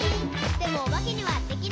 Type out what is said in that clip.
「でもおばけにはできない」